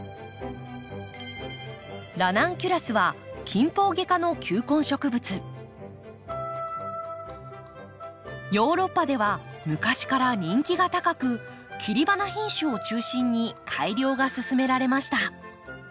ラナンキュラスはヨーロッパでは昔から人気が高く切り花品種を中心に改良が進められました。